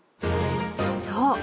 ［そう。